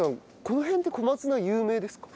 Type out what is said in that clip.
この辺って小松菜有名ですか？